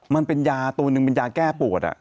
มันเป็นยาตัวนึงมันยาแก้ปวดอ่ะ